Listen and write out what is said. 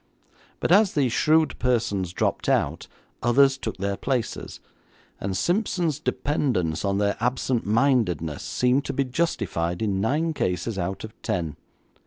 But as these shrewd persons dropped out, others took their places, and Simpson's dependence on their absent mindedness seemed to be justified in nine cases out of ten.